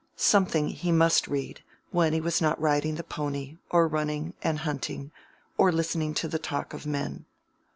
Something he must read, when he was not riding the pony, or running and hunting, or listening to the talk of men.